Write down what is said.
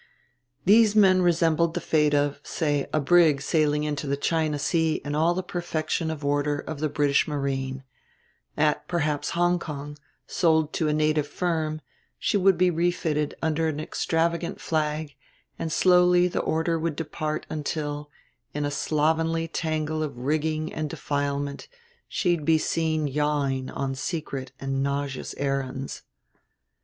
These men resembled the fate of, say, a brig sailing into the China Sea in all the perfection of order of the British Marine: at, perhaps, Hong Kong, sold to a native firm, she would be refitted under an extravagant flag, and slowly the order would depart until, in a slovenly tangle of rigging and defilement, she'd be seen yawing on secret and nauseous errands.